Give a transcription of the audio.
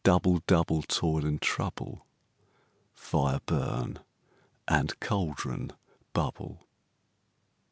ALL. Double, double, toil and trouble; Fire, burn; and cauldron, bubble.